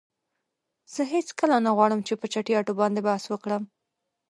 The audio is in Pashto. زه هیڅکله نه غواړم چې په چټییاتو باندی بحث وکړم.